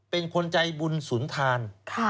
เป็นคนใจบุญสุนทาน